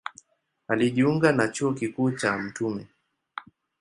Alijiunga na Chuo Kikuu cha Mt.